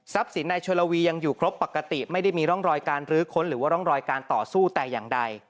สินนายโชลวียังอยู่ครบปกติไม่ได้มีร่องรอยการรื้อค้นหรือว่าร่องรอยการต่อสู้แต่อย่างใด